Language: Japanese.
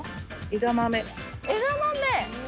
枝豆！